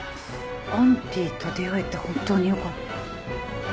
「アンディーと出会えて本当に良かった」。